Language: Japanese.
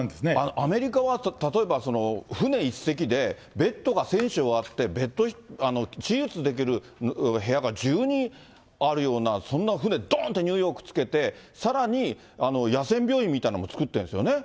アメリカは例えば、船１隻でベッドが１０００床あって、手術できる部屋が１２あるようなそんな船、どーんって、ニューヨークつけて、さらに野戦病院みたいのも作ってるんですよね。